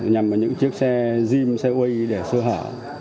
nhằm những chiếc xe gym xe uây để sơ hở